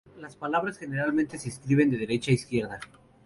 Las palabras generalmente se escriben de derecha a izquierda.